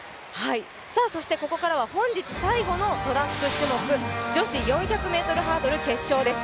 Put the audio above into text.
ここからは本日最後のトラック種目、女子４００ｍハードル決勝です。